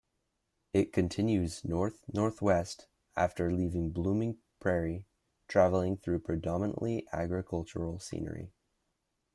It continues north-northwest after leaving Blooming Prairie, traveling through predominantly agricultural scenery.